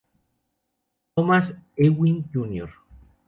Thomas Ewing Jr.